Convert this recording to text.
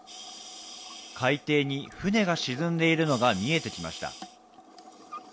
海底に船が沈んでいるのが見えてきました。